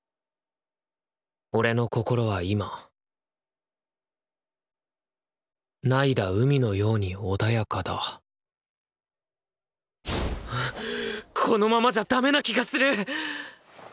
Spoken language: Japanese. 俺の心は今凪いだ海のように穏やかだこのままじゃダメな気がする！